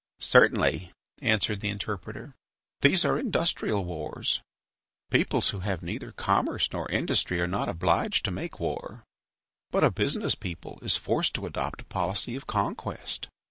"Certainly," answered the interpreter, "these are industrial wars. Peoples who have neither commerce nor industry are not obliged to make war, but a business people is forced to adopt a policy of conquest.